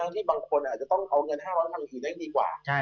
ที่บางคนอาจจะต้องเอาเงิน๕๐๐มาลงทุนได้ดีกว่า